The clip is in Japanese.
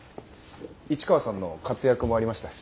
市川さんの活躍もありましたし。